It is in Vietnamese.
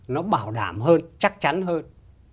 nó bảo đảm hơn chắc chắn hơn